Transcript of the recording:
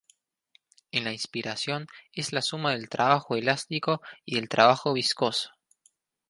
En la inspiración es la suma del trabajo elástico y del trabajo viscoso.